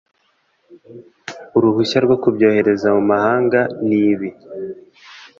uruhushya rwo kubyohereza mu mahanga ni ibi